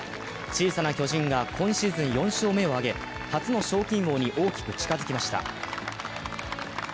小さな巨人が今シーズン４勝目を挙げ初の賞金王に大きく近づきました。